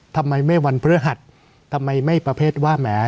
ทำไมไม่วันพฤหัสทำไมไม่ประเภทว่าแหม